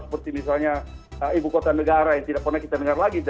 seperti misalnya ibu kota negara yang tidak pernah kita dengar lagi